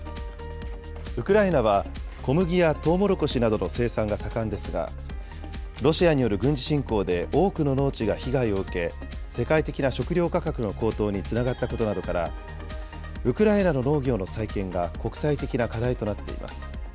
ウクライナは、小麦やとうもろこしなどの生産が盛んですが、ロシアによる軍事侵攻で多くの農地が被害を受け、世界的な食料価格の高騰につながったことなどから、ウクライナの農業の再建が国際的な課題となっています。